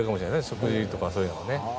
食事とかそういうのは。